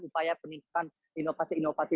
upaya peningkatan inovasi inovasi